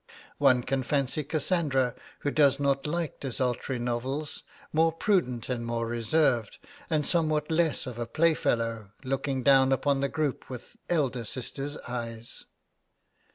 One can fancy Cassandra, who does not like desultory novels, more prudent and more reserved, and somewhat less of a playfellow, looking down upon the group with elder sister's eyes.